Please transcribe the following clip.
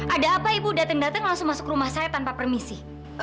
ada apa ibu datang datang langsung masuk rumah saya tanpa permisi